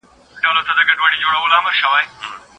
هغې د عملي ډګر زده کړه وکړه.